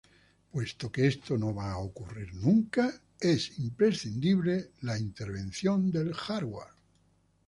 Puesto que esto no va a ocurrir nunca, es imprescindible la intervención del hardware.